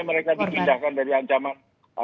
agar mereka dikindahkan dari ancaman